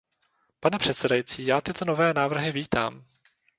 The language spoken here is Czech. Paní předsedající, já tyto nové návrhy vítám.